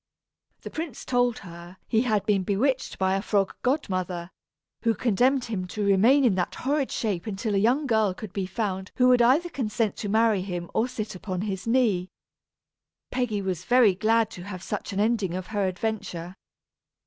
The prince told her he had been bewitched by a frog godmother, who condemned him to remain in that horrid shape until a young girl could be found who would either consent to marry him or sit upon his knee. Peggy was very glad to have such an ending of her adventure.